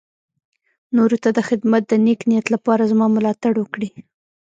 نورو ته د خدمت د نېک نيت لپاره زما ملاتړ وکړي.